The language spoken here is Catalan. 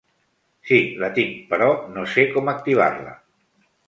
Sí, la tinc però no sé com activar-la.